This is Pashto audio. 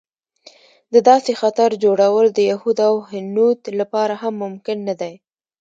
د داسې خطر جوړول د یهود او هنود لپاره هم ممکن نه دی.